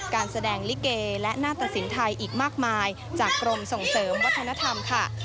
การแสดงลิเกและหน้าตสินไทยอีกมากมายจากกรมส่งเสริมวัฒนธรรมค่ะ